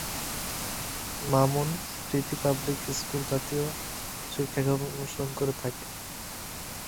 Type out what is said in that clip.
Mamun Smriti public school জাতীয় শিক্ষাক্রম অনুসরণ করে থাকে।